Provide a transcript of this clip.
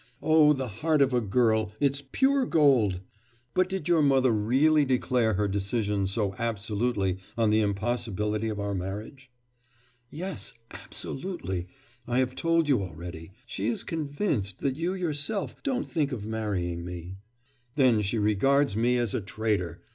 Oh, the heart of a girl it's pure gold! But did your mother really declare her decision so absolutely on the impossibility of our marriage?' 'Yes, absolutely. I have told you already; she is convinced that you yourself don't think of marrying me.' 'Then she regards me as a traitor!